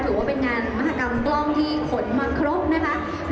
ถือว่าเป็นงานมหากรรมกล้องที่ขนมาครบนะคะ